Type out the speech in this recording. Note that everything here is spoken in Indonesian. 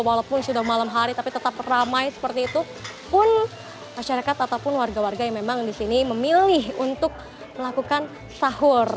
walaupun sudah malam hari tapi tetap ramai seperti itu pun masyarakat ataupun warga warga yang memang di sini memilih untuk melakukan sahur